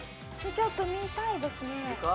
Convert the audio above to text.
ちょっと見たいですね。